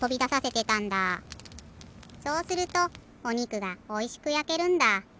そうするとおにくがおいしくやけるんだ。